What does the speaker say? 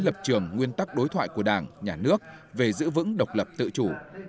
lập trường nguyên tắc đối thoại của đảng nhà nước về giữ vững độc lập tự chủ